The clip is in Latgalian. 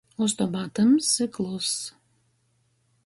Ustobā tymss i kluss.